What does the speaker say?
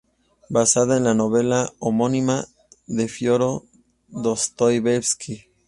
Basada en la novela homónima de Fiódor Dostoievski.